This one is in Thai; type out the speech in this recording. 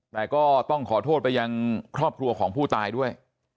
แต่ก็ต้องขอโทษไปยังครอบครัวของผู้ตายด้วย